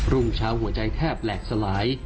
รุ่งเช้าหัวใจแทบแหลกสลาย